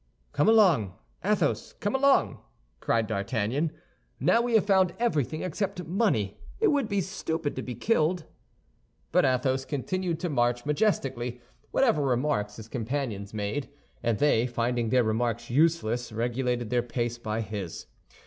"Come along, Athos, come along!" cried D'Artagnan; "now we have found everything except money, it would be stupid to be killed." But Athos continued to march majestically, whatever remarks his companions made; and they, finding their remarks useless, regulated their pace by his.